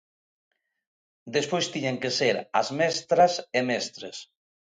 Despois tiñan que ser as mestras e mestres.